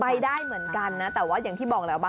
ไปได้เหมือนกันนะแต่ว่าอย่างที่บอกแล้วบาง